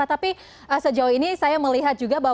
tapi sejauh ini saya melihat juga bahwa